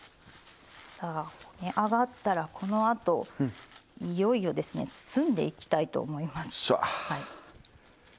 さあこね上がったらこのあといよいよですね包んでいきたいと思います。